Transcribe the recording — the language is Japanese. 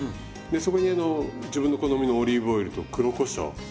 でそこにあの自分の好みのオリーブオイルと黒こしょう